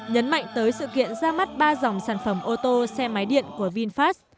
nhấn mạnh tới sự kiện ra mắt ba dòng sản phẩm ô tô xe máy điện của vinfast